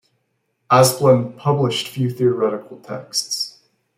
Asplund published few theoretical texts.